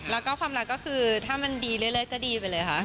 แล้วก็ความรักก็คือถ้ามันดีเรื่อยก็ดีไปเลยค่ะ